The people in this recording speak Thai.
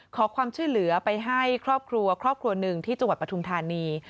ขอความช่วยเหลือไปให้ครอบครัวครอบครัวหนึ่งที่จังหวัดปทุมธานี